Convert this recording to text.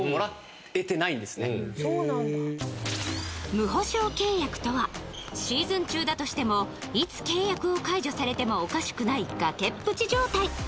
無保証契約とはシーズン中だとしてもいつ契約を解除されてもおかしくない、崖っぷち状態